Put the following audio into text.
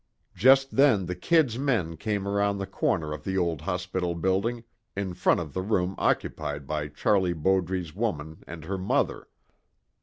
Just then the 'Kid's' men came around the corner of the old hospital building, in front of the room occupied by Charlie Bowdre's woman and her mother.